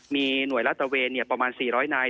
มีหน่วยรัฐเวนประมาณ๔๐๐นาย